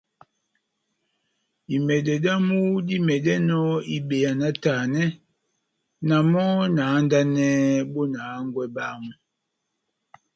Imɛdɛ damu dímɛdɛnɔ ibeya náhtanɛ, na mɔ́ na handanɛhɛ bona hángwɛ bámu.